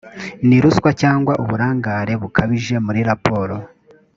ni ruswa cyangwa uburangare bukabije muri raporo